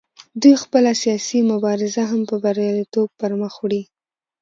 دوی خپله سیاسي مبارزه هم په بریالیتوب پر مخ وړي